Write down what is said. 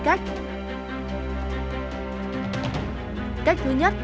cách thứ nhất tinh bột nghệ được sản xuất theo phương pháp thủ công